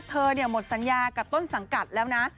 ด้วยว่าเธอเนี่ยหมดสัญญากับต้นสังกัดแล้วนะ